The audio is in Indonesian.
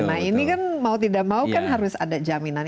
nah ini kan mau tidak mau kan harus ada jaminan